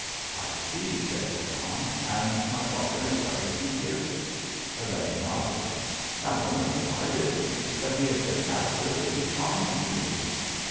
"I see," said John, "and my father invited you here?" Elaine nodded. "Not only invited me, but he has been absolutely charming to me."